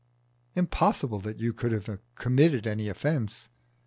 Impossible that you can have committed any offence.